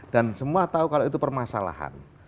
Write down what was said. dan semua tahu kalau itu permasalahan